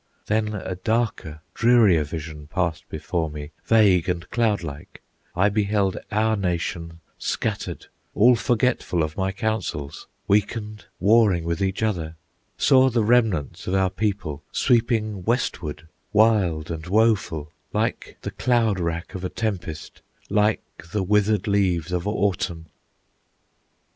"Then a darker, drearier vision Passed before me, vague and cloud like; I beheld our nation scattered, All forgetful of my counsels, Weakened, warring with each other: Saw the remnants of our people Sweeping westward, wild and woful, Like the cloud rack of a tempest, Like the withered leaves of Autumn!"